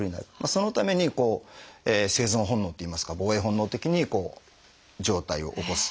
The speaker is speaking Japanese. そのために生存本能っていいますか防衛本能的にこう上体を起こす。